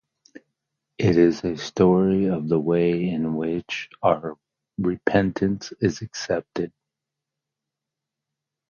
It is a story of the way in which our repentance is accepted.